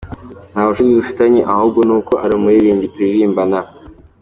Nta bucuti dufitanye ahubwo ni uko ari umuririmbyi turirimbana.